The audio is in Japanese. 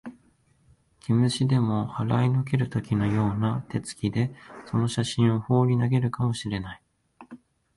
毛虫でも払いのける時のような手つきで、その写真をほうり投げるかも知れない